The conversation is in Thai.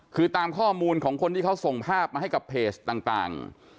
คือตามข้อมูลของคนที่เขาส่งภาพมาให้กับเพจต่าง